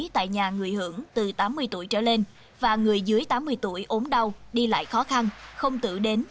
tại nhà người hưởng từ tám mươi tuổi trở lên và người dưới tám mươi tuổi ốm đau đi lại khó khăn không tự đến